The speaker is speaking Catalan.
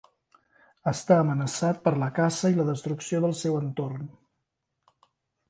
Està amenaçat per la caça i la destrucció del seu entorn.